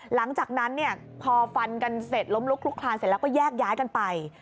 หลังจากนั้นพอฟันกันเสร็จล้มลุกลุกคลานเสร็จแล้วก็แยกย้ายกันไป